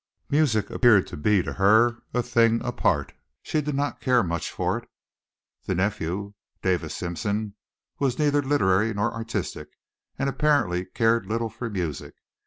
Music appeared to be to her a thing apart. She did not care much for it. The nephew, Davis Simpson, was neither literary nor artistic, and apparently cared little for music.